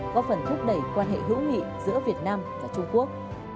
có phần thúc đẩy quan hệ hữu nghị giữa việt nam và trung quốc